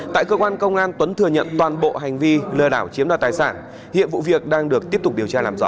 tại cơ quan công an tuấn thừa nhận toàn bộ hành vi lừa đảo chiếm đoạt tài sản hiện vụ việc đang được tiếp tục điều tra làm rõ